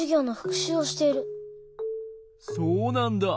そうなんだ！